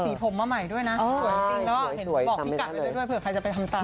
สีผมมาใหม่ด้วยนะสวยจริงบอกพี่กัลด้วยเผื่อใครจะไปทำตาม